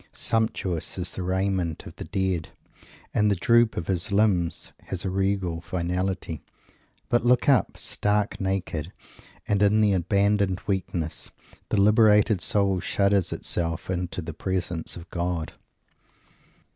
Sumptuous is the raiment of the dead; and the droop of his limbs has a regal finality; but look up! Stark naked, and in abandoned weakness, the liberated soul shudders itself into the presence of God!